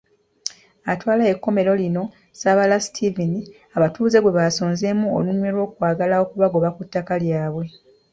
Atwala ekkomero lino, Sabala Steven, abatuuze gwe basonzeemu olunwe lw'okwagala okubagoba ku ttaka lyabwe.